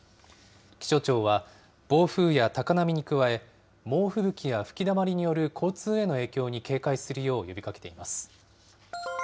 気象庁は暴風や高波に加え、猛吹雪や吹きだまりによる交通への影響に警戒するよう呼びかけています。